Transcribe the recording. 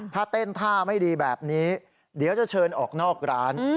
ถ้าเต้นท่าไม่ดีแบบนี้เดี๋ยวจะเชิญออกนอกร้าน